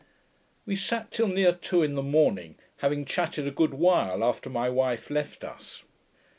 We sat till near two in the morning, having chatted a good while after my wife left us.